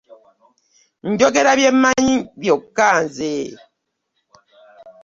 Njogera bye mmanyi byokka nze.